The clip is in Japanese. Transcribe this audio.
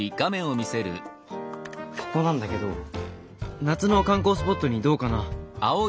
ここなんだけど夏の観光スポットにどうかな？